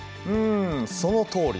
んそのとおりだ。